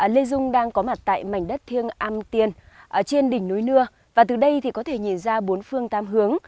lê dung đang có mặt tại mảnh đất thiêng am tiên trên đỉnh núi nưa và từ đây thì có thể nhìn ra bốn phương tám hướng